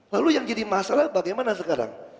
lalu yang jadi masalah bagaimana sekarang